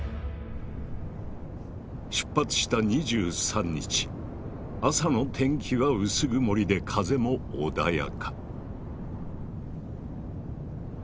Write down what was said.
出発した２３日朝の天気は薄曇りで風も穏やか。